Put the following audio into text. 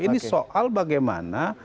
ini soal bagaimana